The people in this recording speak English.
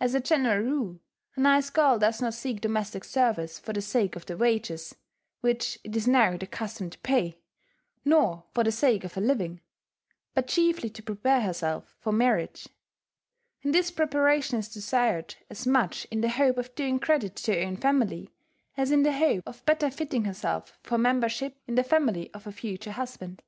As a general rule, a nice girl does not seek domestic service for the sake of the wages (which it is now the custom to pay), nor for the sake of a living, but chiefly to prepare herself for marriage; and this preparation is desired as much in the hope of doing credit to her own family, as in the hope of better fitting herself for membership in the family of her future husband.